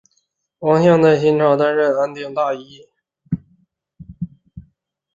王向在新朝担任安定大尹。